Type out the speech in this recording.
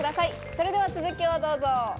それでは続きをどうぞ。